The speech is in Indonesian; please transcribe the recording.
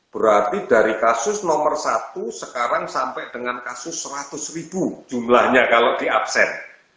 berarti dari kasus nomor satu sekarang sampai dengan kasus seratus ribu jumlahnya kalau di absen